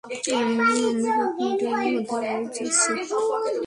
আমরা এক মিনিটের মধ্যে লাইভ যাচ্ছি।